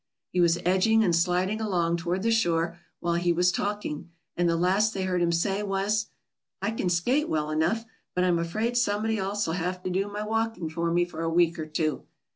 He was edging and sliding along toward the shore while he was talking, and the last they heard him say was, "I can skate well enough, but I'm afraid somebody else'll have to do my walking for me for a week or two."